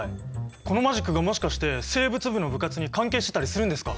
このマジックがもしかして生物部の部活に関係してたりするんですか？